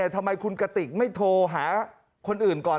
ทำไมคุณกติกไม่โทรหาคนอื่นก่อน